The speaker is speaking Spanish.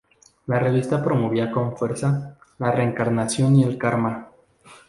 La revista promovía con fuerza la reencarnación y el karma.